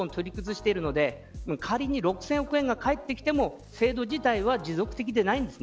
現在は元本を取り崩しているので仮に６０００億円が返ってきても制度自体は持続的でないんです。